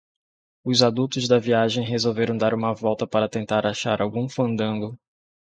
Os adultos da viagem resolveram dar uma volta para tentar achar algum fandango.